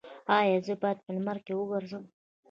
ایا زه باید په لمر کې وګرځم؟